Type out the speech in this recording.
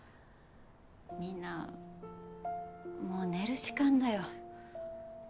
みんなもう寝る時間だよ。